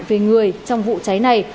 về người trong vụ cháy này